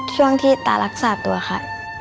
ช่วงที่ตารักษาตัวค่ะ